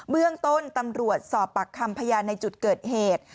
เบื้องต้นตำรวจสอบปากคำพยานในจุดเกิดเหตุ